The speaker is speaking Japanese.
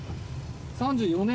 ３４年！